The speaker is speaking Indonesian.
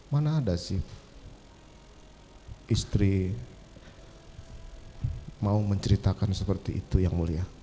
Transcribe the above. mana ada sih istri mau menceritakan seperti itu yang mulia